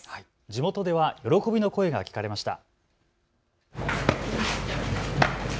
地元では喜びの声が聞かれました。